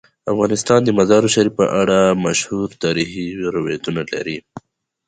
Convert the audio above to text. افغانستان د مزارشریف په اړه مشهور تاریخی روایتونه لري.